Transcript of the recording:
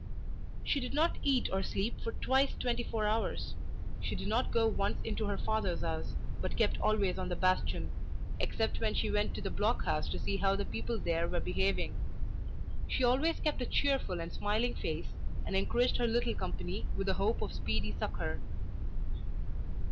She did not eat or sleep for twice twenty four hours. She did not go once into her father's house, but kept always on the bastion, except when she went to the block house to see how the people there were behaving. She always kept a cheerful and smiling face, and encouraged her little company with the hope of speedy succour.